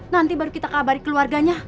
nanti baru kita kabari keluarganya